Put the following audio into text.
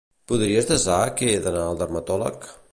Podries desar que he d'anar al dermatòleg?